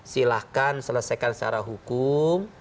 silahkan selesaikan secara hukum